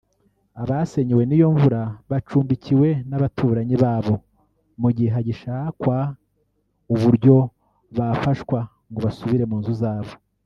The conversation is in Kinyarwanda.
Abasenyewe n’iyo mvura bacumbikiwe n’abaturanyi babo mu gihe hagishakwa uburyo bafashwa ngo basubire mu nzu zabo